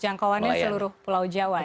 jangkauannya seluruh pulau jawa